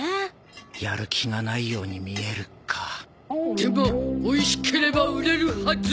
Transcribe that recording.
やる気がないように見えるかでもおいしければ売れるはず。